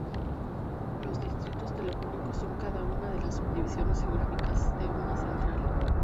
Los distritos telefónicos son cada una de las subdivisiones geográficas de una central.